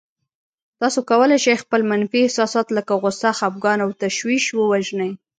تاسې کولای شئ خپل منفي احساسات لکه غوسه، خپګان او تشويش ووژنئ.